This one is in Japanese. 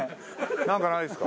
「なんかないっすか？」。